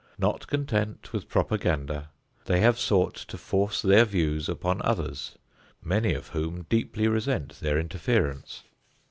Not content with propaganda, they have sought to force their views upon others, many of whom deeply resent their interference.